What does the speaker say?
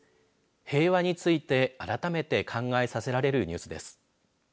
平和について改めて考えさせられるニュースです。